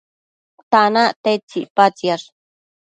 tanac tedtsi icpatsiash?